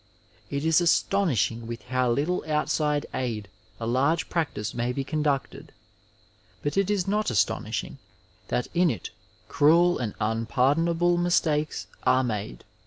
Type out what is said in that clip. It is astonishing with how little outside aid a large practice may be conducted, but it is not astonishing that in it cruel and unpardonable mistakes are made.